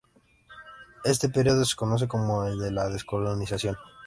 Este periodo se conoce como el de la descolonización.